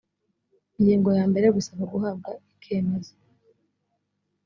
ingingo ya mbere gusaba guhabwa icyemezo